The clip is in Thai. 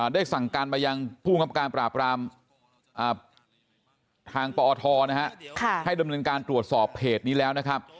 ได้สั่งการมายังภูมิกับการปราบรามทางปอทให้ดำเนินการตรวจสอบเพจนี้แล้วนะครับ